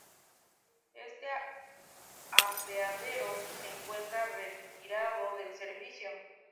Este apeadero se encuentra retirado del servicio.